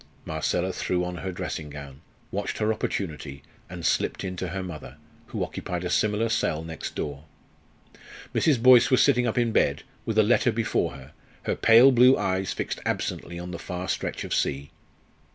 Marcella threw on her dressing gown, watched her opportunity, and slipped in to her mother, who occupied a similar cell next door. Mrs. Boyce was sitting up in bed, with a letter before her, her pale blue eyes fixed absently on the far stretch of sea.